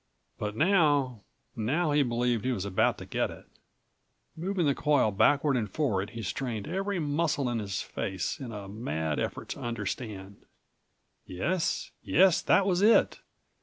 But now—now he believed he was about to get it. Moving the coil backward and forward he strained every muscle in his face in a mad effort to understand. Yes, yes, that was it!